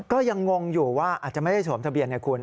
ก็ยังงงอยู่ว่าอาจจะไม่ได้สวมทะเบียนไงคุณ